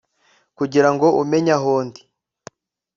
'kugirango umenye aho ndi